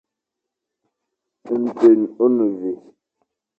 Nten ô ne mvè.